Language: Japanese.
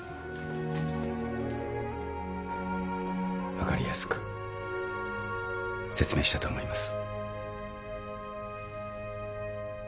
分かりやすく説明したと思います。